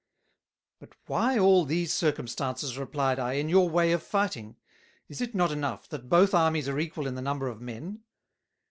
"But why all these Circumstances," replied I, "in your way of Fighting? Is it not enough, that both Armies are equal in the number of Men?"